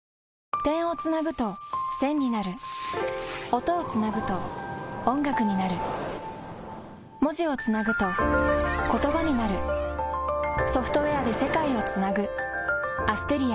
点をつなぐと線になる音をつなぐと音楽になる文字をつなぐと言葉になるソフトウェアで世界をつなぐＡｓｔｅｒｉａ